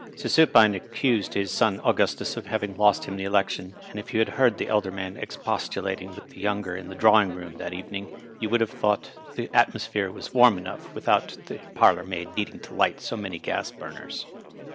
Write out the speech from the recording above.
Sir Supine accused his son Augustus of haying lost him the election, and if you had heard the elder man ex postulating with the younger in the drawing room that evening you would have thought the atmosphere was warm enough without the parlor maid needing to light so many gas burners.